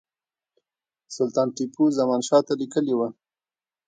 سلطان ټیپو زمانشاه ته لیکلي وه.